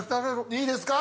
いいですか？